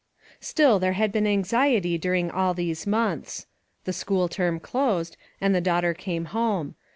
STILL there had been anxiety during all these months. The school term closed, and the daughter came home.